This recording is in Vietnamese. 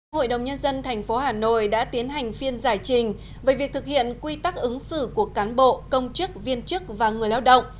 hội đồng nhân dân tp hà nội đã tiến hành phiên giải trình về việc thực hiện quy tắc ứng xử của cán bộ công chức viên chức và người lao động